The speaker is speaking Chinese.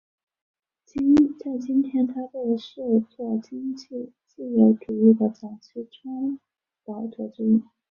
在今天他被视作经济自由主义的早期倡导者之一。